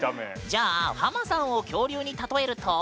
じゃあハマさんを恐竜に例えると？